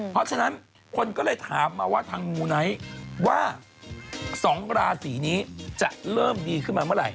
เพราะฉะนั้นคนก็เลยถามมาว่าทางมูไนท์ว่า๒ราศีนี้จะเริ่มดีขึ้นมาเมื่อไห